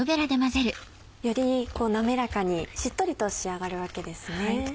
より滑らかにしっとりと仕上がるわけですね。